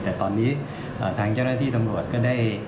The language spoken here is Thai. แต่ตอนนี้ทางเจ้าหน้าที่ตำรวจก็ได้